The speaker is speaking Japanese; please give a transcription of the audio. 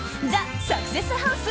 ＴＨＥサクセスハウス